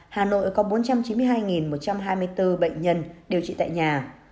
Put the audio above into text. hà nội có bốn trăm chín mươi hai một trăm hai mươi bốn bệnh nhân điều trị tại nhà